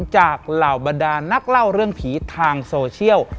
เหล่าบรรดานักเล่าเรื่องผีทางโซเชียล